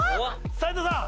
斎藤さん